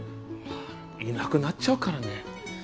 いなくなっちゃうからね。